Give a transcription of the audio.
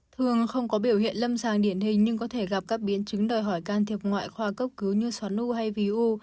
thường không có biểu hiện lâm sàng điển hình nhưng có thể gặp các biến chứng đòi hỏi can thiệp ngoại khoa cấp cứu như xoắn nu hay vì u